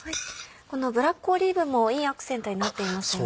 このブラックオリーブもいいアクセントになっていますよね。